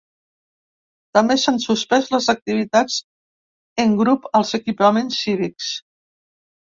També s’han suspès les activitats en grup als equipaments cívics.